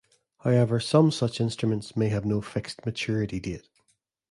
However some such instruments may have no fixed maturity date.